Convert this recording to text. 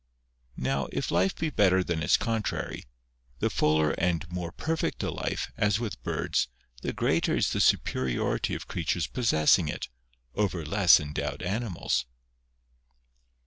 Now, if life be better than its contrary, the fuller and more perfect the life, as with birds, the greater is the superiority of creatures possessing it, over less endowed animals.